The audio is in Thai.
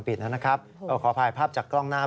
นะครับเออขออภัยภาพจากกล้องหน้า